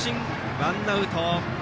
ワンアウト。